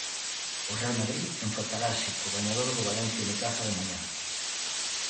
O Real Madrid enfrontarase co gañador do Valencia Unicaja de mañá.